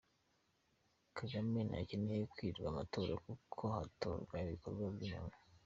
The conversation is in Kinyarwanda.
kagame ntakeneye kwibirwa amatora kuko hatorwa ibikorwa byumuntu.